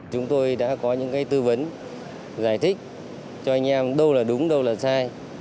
chúng tôi đã có những tư vấn giải thích cho anh em đâu là đúng đâu là sai